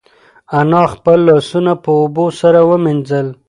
انا خپل لاسونه په اوبو سره ومینځل.